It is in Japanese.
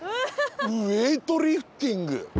ウエイトリフティング！